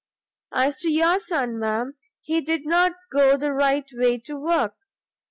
As to your son, ma'am, he did not go the right way to work.